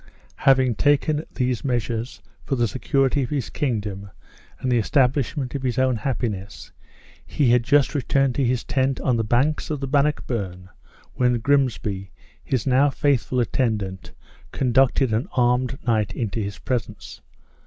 Having taken these measures for the security of his kingdom and the establishment of his own happiness, he had just returned to his tent on the banks of the Bannockburn when Grimsby, his now faithful attendant, conducted an armed knight into his presence.